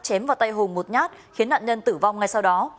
chém vào tay hùng một nhát khiến nạn nhân tử vong ngay sau đó